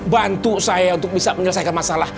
bantu saya untuk bisa menyelesaikan masalah